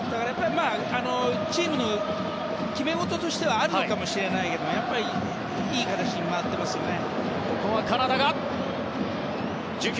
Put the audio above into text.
チームの決め事としてはあるのかもしれないけどやっぱり、いい形で回っていますよね。